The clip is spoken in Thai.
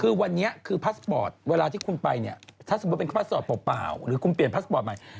คือวันนี้คือพาสปอร์ตเวลาที่คุณไปเนี่ยถ้าสมมุติเป็นพาสปอร์ตเปล่าหรือคุณเปลี่ยนพาสปอร์ตใหม่